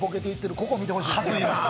ここを見てほしいです。